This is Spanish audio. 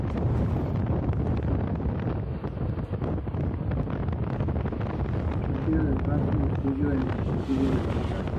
Nacida en Plasencia, estudió en el Instituto Gabriel y Galán.